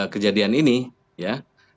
kejadian ini ya